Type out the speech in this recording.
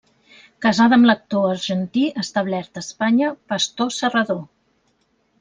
Casada amb l'actor argentí establert a Espanya Pastor Serrador.